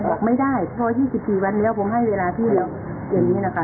บอกไม่ได้เพราะ๒๔วันเดี๋ยวผมให้เวลาที่อย่างนี้นะคะ